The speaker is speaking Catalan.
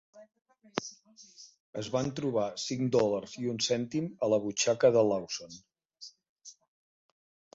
Es van trobar cinc dòlars i un cèntim a la butxaca de Lawson.